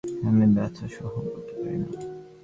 আমি ব্যথা সহ্য করতে পারি না।